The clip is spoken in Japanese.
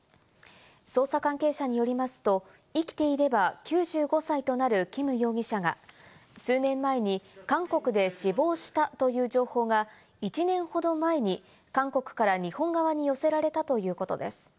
捜査関係者によりますと、生きていれば９５歳となるキム容疑者が数年前に韓国で死亡したという情報が１年ほど前に韓国から日本側に寄せられたということです。